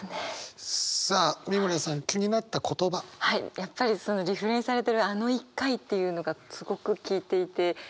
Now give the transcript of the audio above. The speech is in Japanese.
やっぱりリフレインされてる「あの１回」っていうのがすごく効いていて。